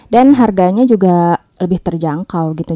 dan harganya juga lebih terjangkau gitu